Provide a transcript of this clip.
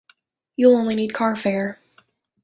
You'll only need car-fare.